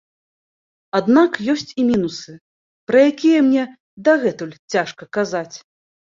Аднак ёсць і мінусы, пра якія мне дагэтуль цяжка казаць.